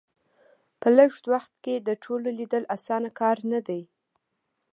په لږ وخت کې د ټولو لیدل اسانه کار نه دی.